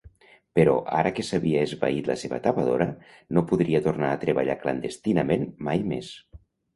Però ara que s'havia esvaït la seva tapadora, no podria tornar a treballar clandestinament mai més.